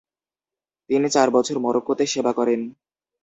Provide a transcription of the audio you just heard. তিনি চার বছর মরোক্কোতে সেবা করেন।